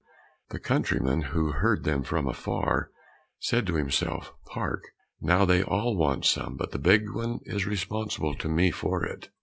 The countryman, who heard them from afar, said to himself, "Hark, now they all want some, but the big one is responsible to me for it."